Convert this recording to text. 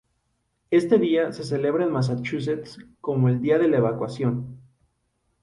Este día se celebra en Massachusetts como el día de la evacuación.